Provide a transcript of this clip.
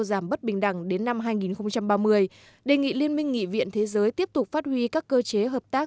giảm bất bình đẳng đến năm hai nghìn ba mươi đề nghị liên minh nghị viện thế giới tiếp tục phát huy các cơ chế hợp tác